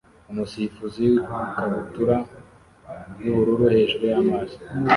Umusifuzi wikabutura yubururu hejuru y'amazi